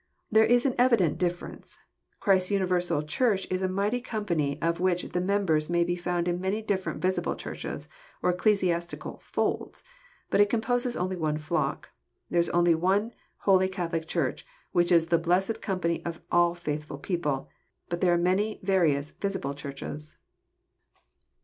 There is an evident difference. Clirist's universal Church is a mighty company of which the members may be found in many different visible Churches, or ecclesiastical "folds:" but it composes only one "flock." There is only " one Holy Catholic Church," which is the blessed company of all faithful people; but there are many various visible Churches.